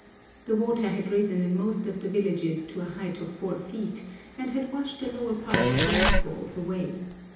The water had risen in most of the villages to a height of four feet, and had washed the lower part of the mud walls away.